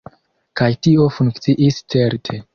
Kaj tio funkciis, certe.